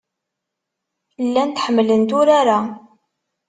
Llant ḥemmlent urar-a.